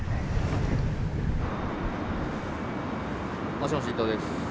もしもし伊藤です。